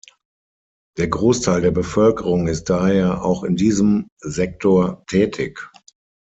Der Großteil der Bevölkerung ist daher auch in diesem Sektor tätig.